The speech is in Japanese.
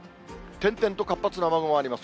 点々と活発な雨雲があります。